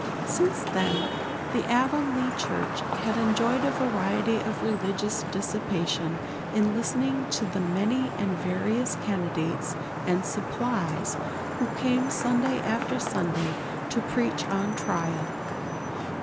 Since then the Avonlea church had enjoyed a variety of religious dissipation in listening to the many and various candidates and "supplies" who came Sunday after Sunday to preach on trial.